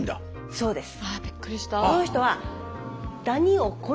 そうです。